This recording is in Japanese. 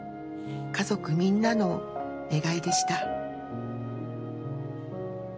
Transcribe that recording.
家族みんなの願いでした。